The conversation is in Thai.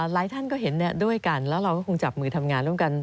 หลายท่านก็เห็นด้วยกันแล้วเราก็คงจับมือทำงานร่วมกัน